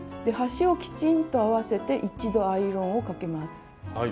端をきちんと合わせて一度アイロンをかけます。